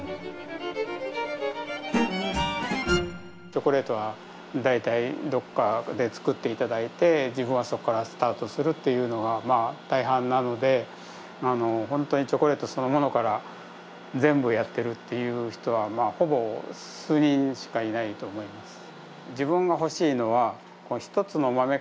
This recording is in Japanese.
チョコレートは大体どこかで作っていただいて自分はそこからスタートするというのが大半なので本当にチョコレートそのものから全部やってるという人はほぼ数人しかいないと思います。